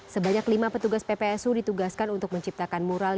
sebanyak lima petugas ppsu ditugaskan untuk menciptakan mural